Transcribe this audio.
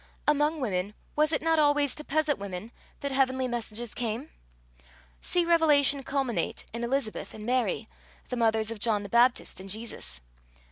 Among women, was it not always to peasant women that heavenly messages came? See revelation culminate in Elizabeth and Mary, the mothers of John the Baptist and Jesus.